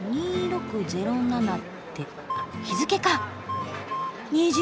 「２６０７」って日付か。